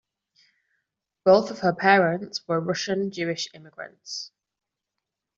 Both of her parents were Russian Jewish immigrants.